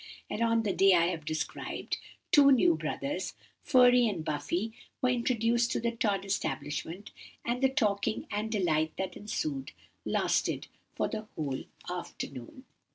And on the day I have described, two new brothers, 'Furry' and 'Buffy,' were introduced to the Tod establishment, and the talking and delight that ensued, lasted for the whole afternoon.